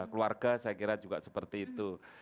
keluarga saya kira juga seperti itu